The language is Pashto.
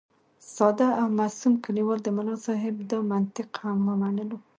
ساده او معصوم کلیوال د ملا صاحب دا منطق هم ومنلو.